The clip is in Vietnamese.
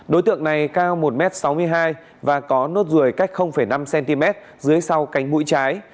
đối tượng này cao một m sáu mươi hai và có nốt ruồi cách năm cm dưới sau cánh mũi trái